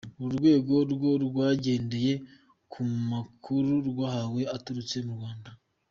Uru rwego ngo rwagendeye ku makuru rwahawe aturutse mu Rwanda.